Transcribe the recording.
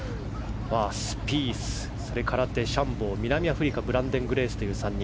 スピース、デシャンボー南アフリカのブランデン・グレースという３人。